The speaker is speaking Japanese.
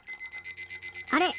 あれ？